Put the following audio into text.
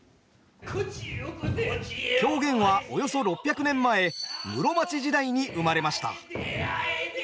狂言はおよそ６００年前室町時代に生まれました。